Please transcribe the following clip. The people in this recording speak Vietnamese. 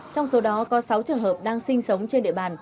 trong số đó có sáu trường hợp đang sinh sống trên địa bàn